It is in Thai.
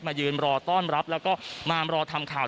มายืนรอต้อนรับและมารอทำข่าว